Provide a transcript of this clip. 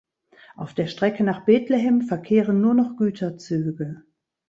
Auf der Strecke nach Bethlehem verkehren nur noch Güterzüge.